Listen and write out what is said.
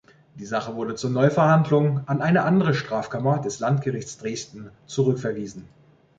Die Sache wurde zur Neuverhandlung an eine andere Strafkammer des Landgerichts Dresden zurückverwiesen.